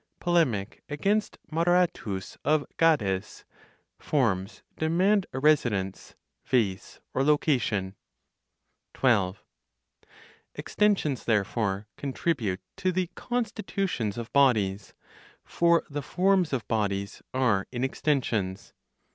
POLEMIC AGAINST MODERATUS OF GADES, FORMS DEMAND A RESIDENCE, VASE, or LOCATION. 12. Extensions therefore contribute to the constitutions of bodies; for the forms of bodies are in extensions.